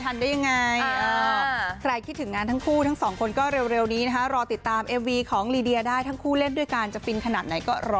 ข้อละครึ่งคิดว่าเขาน่าจะเร่งทั้งวันอยู่แล้ว